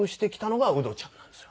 なんですか？